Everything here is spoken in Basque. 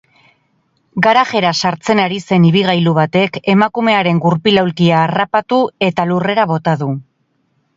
Garajera sartzen ari zen ibilgailu batek emakumearen gurpil-aulkia harrapatu eta lurrera bota du.